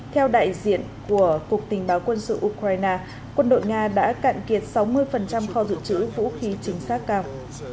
theo đại diện của cục tình báo quân sự ukraine quân đội nga đã cạn kiệt sáu mươi kho dự trữ vũ khí chính xác cao